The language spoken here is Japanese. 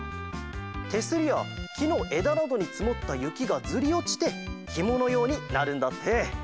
てすりやきのえだなどにつもったゆきがずりおちてひものようになるんだって！